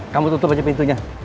kamu tutup aja pintunya